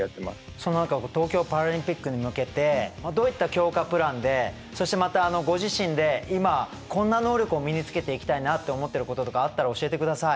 その東京パラリンピックに向けてどういった強化プランでそしてまたご自身で今こんな能力を身につけていきたいなって思ってることとかあったら教えてください。